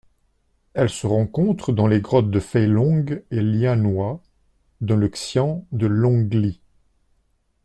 Elle se rencontre dans les grottes Feilong et Lianhua dans le xian de Longli.